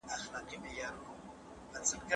پوځي ځواک يې هېواد په لوي زبرځواک بدل کړ.